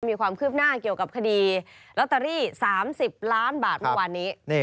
มีความคืบหน้าเกี่ยวกับคดีลอตเตอรี่๓๐ล้านบาทเมื่อวานนี้